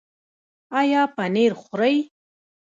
ایا پنیر خورئ؟